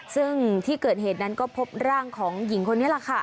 ซึ่งที่เกิดเหตุนั้นก็พบร่างของหญิงคนนี้แหละค่ะ